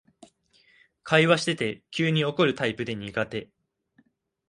会話してて急に怒るタイプで苦手